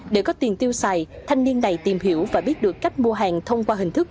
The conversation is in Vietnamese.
để có tiền tiêu xài thanh niên này tìm hiểu và biết được cách mua hàng thông qua hình thức